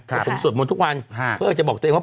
สมสวดมนต์ทุกวันเพื่อจะบอกตัวเองว่า